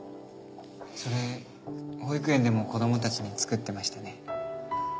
それ保育園でも子供たちに作ってましたよね？